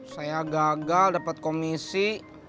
saya gagal dapet komisi